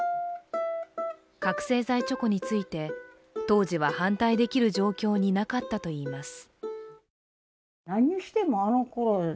覚醒剤チョコについて、当時は反対できる状況になかったといいます。